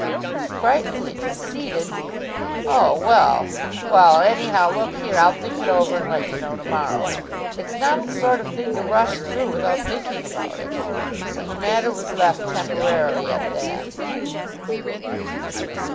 "He's frightfully conceited." "Oh, well Well, anyhow, look here, I'll think it over, and let you know to morrow. It's not the sort of thing to rush through without thinking about it." And the matter was left temporarily at that.